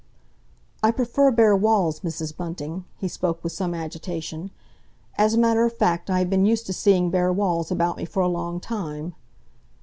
"I prefer bare walls, Mrs. Bunting," he spoke with some agitation. "As a matter of fact, I have been used to seeing bare walls about me for a long time."